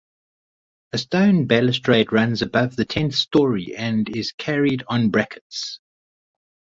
A stone balustrade runs above the tenth story and is carried on brackets.